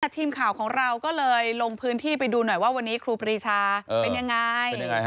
ทีมข่าวของเราก็เลยลงพื้นที่ไปดูหน่อยว่าวันนี้ครูปรีชาเป็นยังไง